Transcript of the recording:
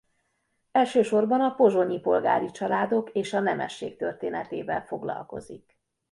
Elsősorban a pozsonyi polgári családok és a nemesség történetével foglalkozik.